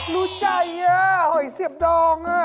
รู้ใจหอยเสียบดอง